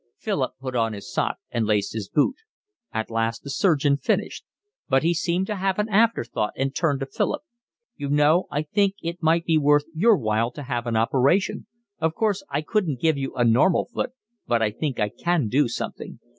Philip put on his sock and laced his boot. At last the surgeon finished. But he seemed to have an afterthought and turned to Philip. "You know, I think it might be worth your while to have an operation. Of course I couldn't give you a normal foot, but I think I can do something.